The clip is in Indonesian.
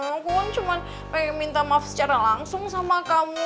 aku kan cuma pengen minta maaf secara langsung sama kamu